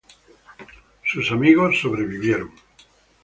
Sus amigos sobrevivieron.